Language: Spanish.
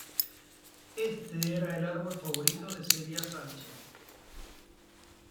Este era el árbol favorito de Celia Sánchez.